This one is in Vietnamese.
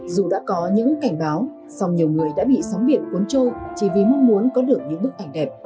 dù đã có những cảnh báo song nhiều người đã bị sóng biển cuốn trôi chỉ vì mong muốn có được những bức ảnh đẹp